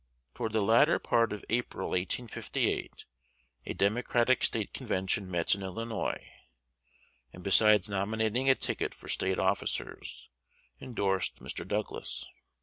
Toward the latter part of April, 1858, a Democratic State Convention met in Illinois, and, besides nominating a ticket for State officers, indorsed Mr. Douglas.